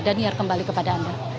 dan iar kembali kepada anda